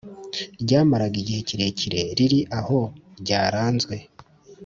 ryamaraga igihe kirekire riri aho ryaranzwe